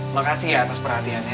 makasih ya atas perhatiannya